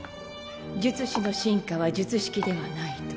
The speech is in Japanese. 術師の真価は術式ではないと。